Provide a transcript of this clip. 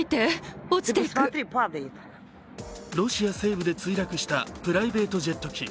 ロシア西部で墜落したプライベートジェット機。